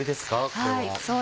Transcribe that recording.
これは。